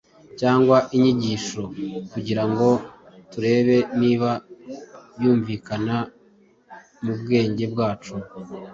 cyangwa inyigisho kugira ngo turebe niba yumvikana mu bwenge bwacu,